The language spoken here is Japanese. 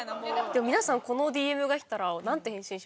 でも皆さんこのＤＭが来たら。